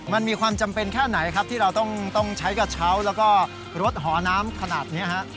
มันมีความจำเป็นแค่ไหนครับที่เราต้องใช้กระเช้าแล้วก็รถหอน้ำขนาดนี้ฮะ